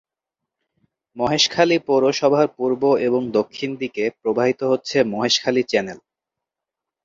মহেশখালী পৌরসভার পূর্ব এবং দক্ষিণ দিকে প্রবাহিত হচ্ছে মহেশখালী চ্যানেল।